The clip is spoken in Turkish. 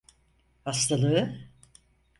Hastalığı?